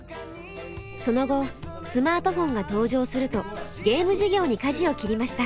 その後スマートフォンが登場するとゲーム事業にかじを切りました。